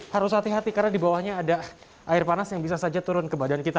harus hati hati karena di bawahnya ada air panas yang bisa saja turun ke badan kita